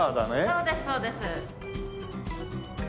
そうですそうです。